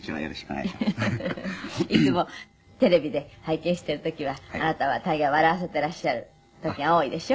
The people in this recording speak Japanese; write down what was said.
いつもテレビで拝見してる時はあなたは大概笑わせてらっしゃる時が多いでしょ？